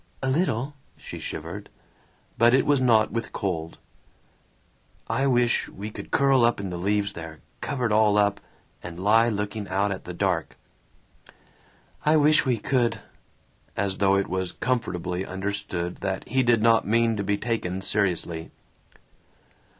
"A little." She shivered. But it was not with cold. "I wish we could curl up in the leaves there, covered all up, and lie looking out at the dark." "I wish we could." As though it was comfortably understood that he did not mean to be taken seriously.